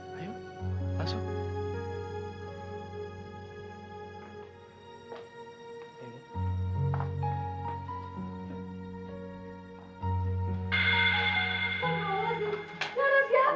itu masih belum makan